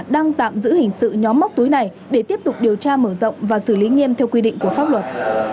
đang tạm giữ hình sự nhóm móc túi này để tiếp tục điều tra mở rộng và xử lý nghiêm theo quy định của pháp luật